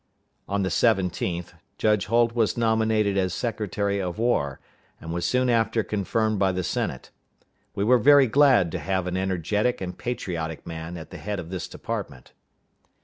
On the 17th, Judge Holt was nominated as Secretary of War, and was soon after confirmed by the Senate. We were very glad to have an energetic and patriotic man at the head of this department.